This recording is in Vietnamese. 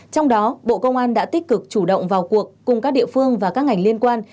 trong đó bộ công an đã tích cực chủ động vào cuộc cùng các địa phương và các ngành liên quan